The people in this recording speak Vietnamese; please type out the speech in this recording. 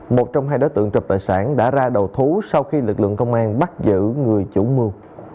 một trong hai đối tượng trộm tài sản đã ra đầu thú sau khi lực lượng công an bắt giữ người chủ mưu